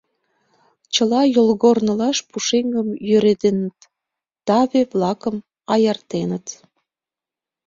Чыла йолгорнылаш пушеҥгым йӧреденыт, таве-влакым аяртеныт...